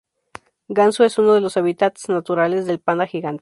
Gansu es uno de los hábitats naturales del panda gigante.